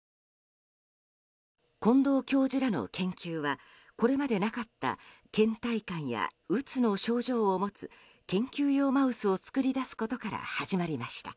近藤教授らの研究はこれまでなかった倦怠感やうつの症状を持つ研究用マウスを作り出すことから始まりました。